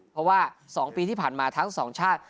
เพราะว่า๒ปีที่ผ่านมาทั้งสองชาติ